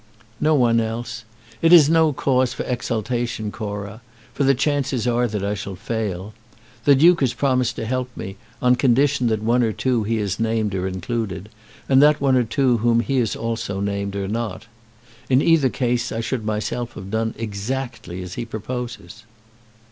"No one else. It is no case for exultation, Cora, for the chances are that I shall fail. The Duke has promised to help me, on condition that one or two he has named are included, and that one or two whom he has also named are not. In each case I should myself have done exactly as he proposes."